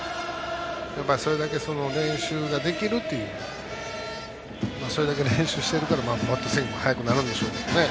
それだけ練習ができるというそれだけ練習をしているからバットスイング速くなるんですね。